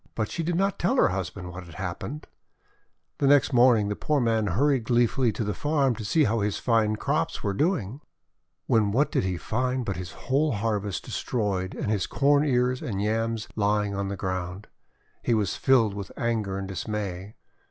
But she did not tell her husband what had happened. The next morning the poor man hurried glee fully to the farm to see how his fine crops were doing. When what did he find but his whole harvest destroyed and his Corn Ears and Yams lying on the ground! He was filled with anger and dismay.